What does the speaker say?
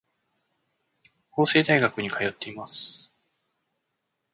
法政大学に通っています。